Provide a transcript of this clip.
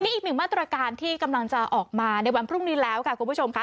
อีกหนึ่งมาตรการที่กำลังจะออกมาในวันพรุ่งนี้แล้วค่ะคุณผู้ชมค่ะ